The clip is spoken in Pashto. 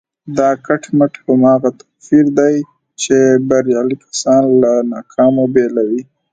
دا کټ مټ هماغه توپير دی چې بريالي کسان له ناکامو بېلوي.